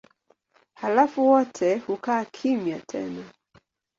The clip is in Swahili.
Halafu wote hukaa kimya tena.